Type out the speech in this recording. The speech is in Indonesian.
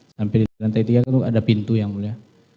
sampai di lantai tiga itu ada pintu ya mulia